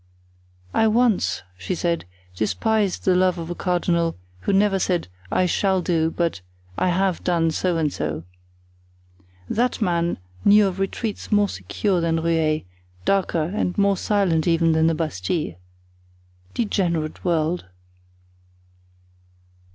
"I once," she said, "despised the love of a cardinal who never said 'I shall do,' but, 'I have done so and so.' That man knew of retreats more secure than Rueil, darker and more silent even than the Bastile. Degenerate world!"